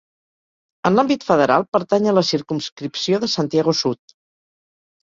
En l'àmbit federal, pertany a la circumscripció de Santiago Sud.